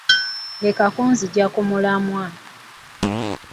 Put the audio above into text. Leka kunzigya ku mulamwa.